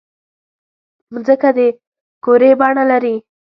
مځکه د کُرې بڼه لري.